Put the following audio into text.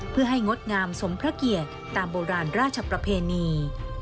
เพื่อให้งดงามสมพระเกียรติตามโบราณราชประเพณี